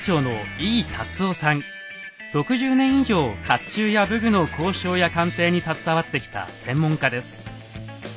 ６０年以上甲冑や武具の考証や鑑定に携わってきた専門家です。